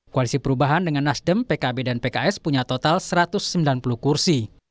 koalisi perubahan dengan nasdem pkb dan pks punya total satu ratus sembilan puluh kursi